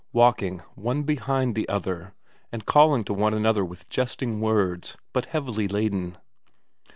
Walking one behind the other, and calling to one another with jesting words, but heavily laden.